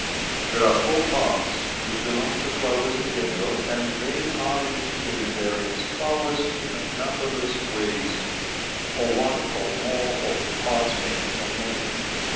There are four parts which belong to flowers in general, and they are repeated in various flowers in numberless ways, or one or more of the parts may be omitted.